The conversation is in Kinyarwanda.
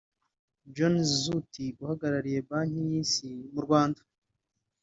Johannes Zutt uhagarariye Banki y’isi mu Rwanda